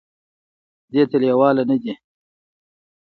دې ته لېواله نه دي ،